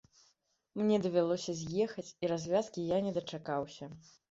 Мне давялося з'ехаць, і развязкі я не дачакаўся.